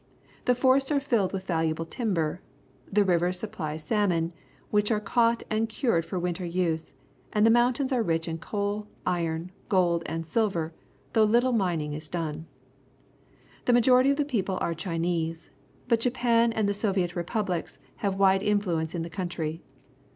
The forests are filled with valuable timber, the rivers supply salmoj i^ which are caught and ' cured for winter use, and the mountains are rich in floa L iron, gold, and siJxe^..though httle mining is done. The majority of the people are Chinese, but Japan and the So\'iet Republics have wide influence in the country.